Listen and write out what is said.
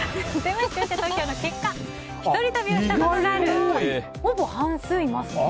視聴者投票の結果一人旅をしたことがあるほぼ半数いますね。